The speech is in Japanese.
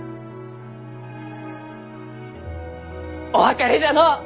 お別れじゃのう！